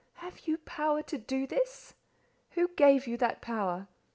Have you power to do this? Who gave you that power?